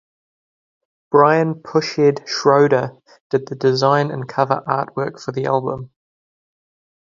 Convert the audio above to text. Brian "Pushead" Schroeder did the design and cover artwork for the album.